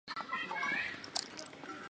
孔布雷。